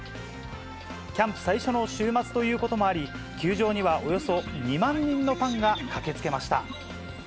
キャンプ最初の週末ということもあり、球場にはおよそ２万人のファンが駆けつけました。